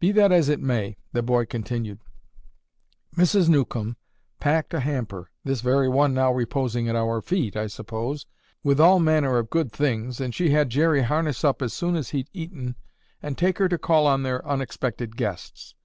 "Be that as it may," the boy continued, "Mrs. Newcomb packed a hamper—this very one now reposing at our feet, I suppose—with all manner of good things and she had Jerry harness up as soon as he'd eaten and take her to call on their unexpected guests.